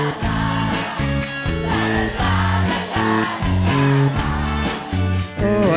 ลาลาลาลาลาลาลาลาลา